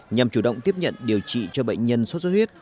nhằm chủ động tiếp nhận điều trị cho bệnh nhân sốt xuất huyết